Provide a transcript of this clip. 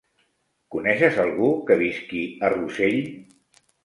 Coneixes algú que visqui a Rossell?